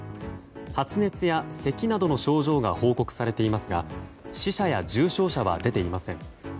発熱やせきなどの症状が報告されていますが死者や重症者は出ていません。